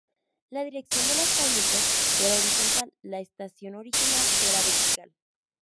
La dirección de las tablillas era horizontal; la estación original era vertical.